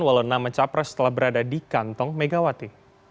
walau nama capres telah berada di kantong megawati